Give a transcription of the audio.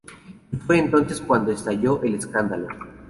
Y fue entonces cuando estalló el escándalo.